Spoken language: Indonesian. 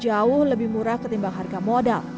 jauh lebih murah ketimbang harga modal